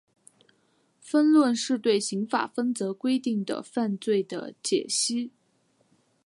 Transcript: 分论是对刑法分则规定的犯罪的解析。